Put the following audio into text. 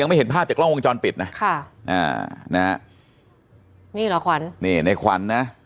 ไม่เห็นภาพจากกล้องวงจรปิดนะค่ะอ่านะฮะนี่เหรอขวัญนี่ในขวัญนะ